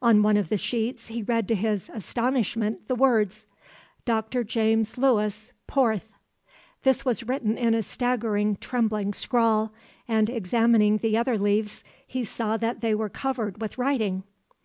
On one of the sheets he read to his astonishment the words: "Dr. James Lewis, Porth." This was written in a staggering trembling scrawl, and examining the other leaves he saw that they were covered with writing.